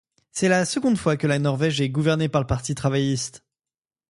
C'est la seconde fois que la Norvège est gouvernée par le Parti travailliste.